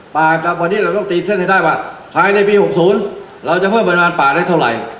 ป่าครับวันนี้เราต้องตีเส้นให้ได้ว่าภายในปี๖๐เราจะเพิ่มปริมาณป่าได้เท่าไหร่